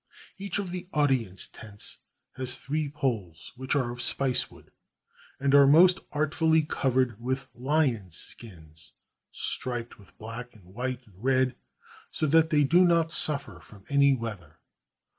Each of the audience tents has three poles, which are of spicewood, and are most artfully covered with lions' skins, striped with black and white and red, so that they do not suffer from any weather.